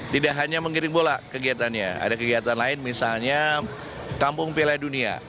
tidak hanya menggiring bola kegiatannya ada kegiatan lain misalnya kampung piala dunia